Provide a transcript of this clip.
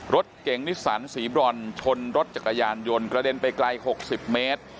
รถเก่งนิสันสีบรอนชนรถจักรยานยนต์กระเด็นไปไกล๖๐เมตร